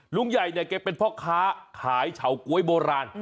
ลุงใหญ่เนี่ยแกเป็นพ่อค้าขายเฉาก๊วยโบราณ